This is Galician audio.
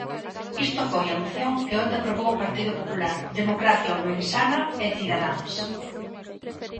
Isto foi a moción que onte aprobou o Partido Popular, Democracia Ourensana e Cidadáns.